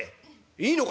「いいのか？